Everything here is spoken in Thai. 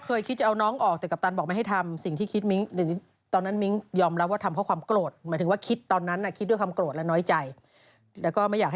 คืออาจจะด้วยอารมณ์โกรธแล้วก็ความที่หน่อยใจทุกอย่างที่มีเจอมาอะไรอย่างเงี้ยค่ะ